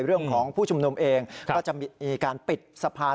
เรื่องของผู้ชุมนุมเองก็จะมีการปิดสะพาน